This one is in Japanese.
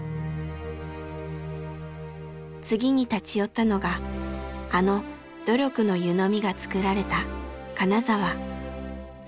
次に立ち寄ったのがあの「努力」の湯飲みが作られた金沢。